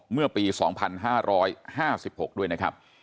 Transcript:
เมื่อปีสองพันห้าร้อยห้าสิบหกด้วยนะครับ